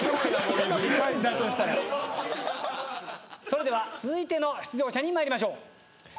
それでは続いての出場者に参りましょう。